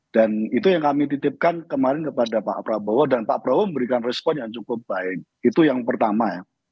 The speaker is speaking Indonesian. dan itu yang kami titipkan kemarin kepada pak prabowo dan pak prabowo memberikan respon yang cukup baik itu yang pertama